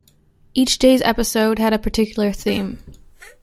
Each day's episode had a particular theme.